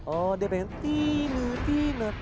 oh dia pengen tinut tinut